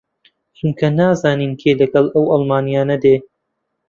چونکە نازانین کێ لەگەڵ ئەو ئاڵمانییانە دێ